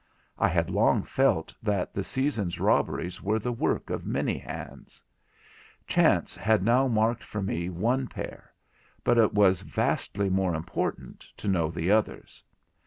I had long felt that the season's robberies were the work of many hands. Chance had now marked for me one pair; but it was vastly more important to know the others.